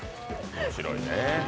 面白いね。